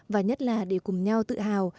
và nhất là để cùng nhau tự hào